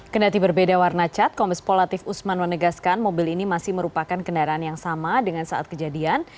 kedati berbeda warna cat komis polatif usman menegaskan mobil ini masih merupakan kendaraan yang sama dengan saat kejadian